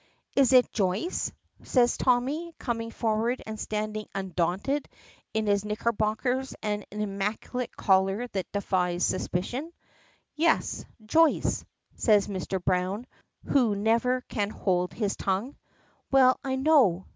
"Is it Joyce?" says Tommy, coming forward and standing undaunted in his knickerbockers and an immaculate collar that defies suspicion. "Yes Joyce," says Mr. Browne, who never can hold his tongue. "Well, I know."